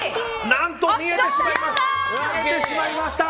何と見えてしまいました！